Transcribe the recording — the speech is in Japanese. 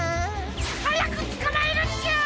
はやくつかまえるんじゃ！